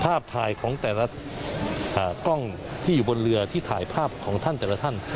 ภาพถ่ายของแต่ละกล้องที่อยู่บนเรือที่ถ่ายภาพของท่านแต่ละท่าน